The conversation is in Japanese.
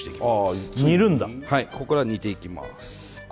ここから煮ていきます